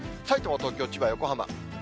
さいたま、東京、千葉、横浜。